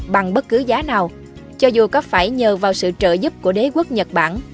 bằng bất cứ giá nào cho dù có phải nhờ vào sự trợ giúp của đế quốc nhật bản